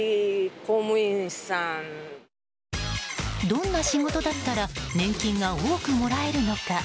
どんな仕事だったら年金が多くもらえるのか？